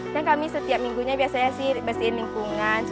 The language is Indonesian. kan kami setiap minggunya biasanya sih bersihin lingkungan